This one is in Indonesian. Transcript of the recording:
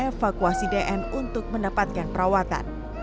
dan evakuasi dn untuk mendapatkan perawatan